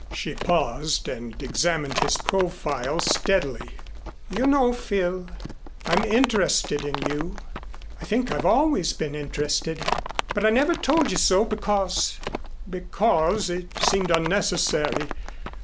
She paused and examined his profile steadily. "You know, Phil, I'm interested in you. I think I've always been interested but I never told you so because because it seemed unnecessary.